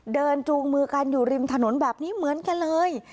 จูงมือกันอยู่ริมถนนแบบนี้เหมือนกันเลย